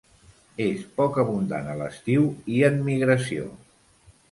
És poc abundant a l'estiu i en migració.